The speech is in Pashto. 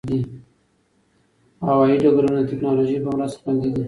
هوايي ډګرونه د ټکنالوژۍ په مرسته خوندي دي.